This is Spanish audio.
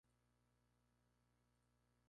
Una de esas personas es la Capitana Sirope.